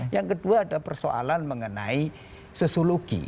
yang kedua ada persoalan mengenai sosiologi